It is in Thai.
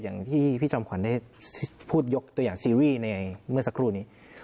อย่างที่พี่จอมขวัญได้พูดยกตัวอย่างซีรีส์ในเมื่อสักครู่นี้